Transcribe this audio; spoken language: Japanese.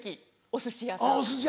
お寿司屋さんで